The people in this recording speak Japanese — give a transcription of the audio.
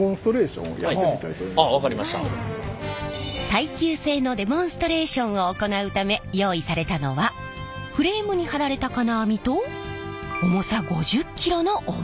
耐久性のデモンストレーションを行うため用意されたのはフレームに張られた金網と重さ５０ｋｇのおもり！